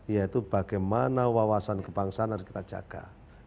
yaitu bagaimana wawasan kebangsaan harus kita jaga